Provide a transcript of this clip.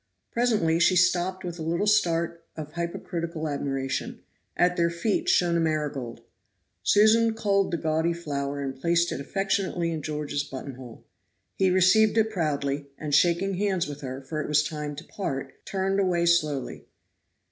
Presently she stopped with a little start of hypocritical admiration; at their feet shone a marigold. Susan culled the gaudy flower and placed it affectionately in George's buttonhole. He received it proudly, and shaking hands with her, for it was time to part, turned away slowly.